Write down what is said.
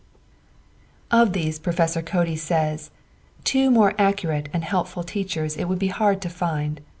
Of these Prof. Cody says: "Two more accurate and helpful teachers it would be hard to find.